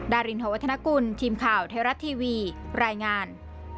รินหวัฒนกุลทีมข่าวไทยรัฐทีวีรายงาน